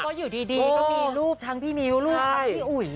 ต้องอยู่ดีก็มีลูกทั้งพี่มิ้วลูกพากลับพี่อุ๋ย